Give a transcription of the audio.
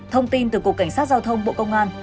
thông tin từ cục cảnh sát giao thông bộ công an